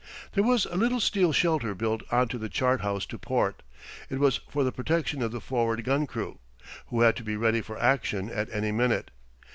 There was a little steel shelter built on to the chart house to port. It was for the protection of the forward gun crew, who had to be ready for action at any minute.